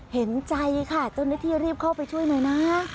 เห็นใจค่ะเจ้าหน้าที่รีบเข้าไปช่วยหน่อยนะ